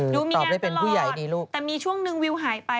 ตอบได้เป็นผู้ใหญ่ดีลูกดูมีอย่างตลอดแต่มีช่วงหนึ่งวิวหายไป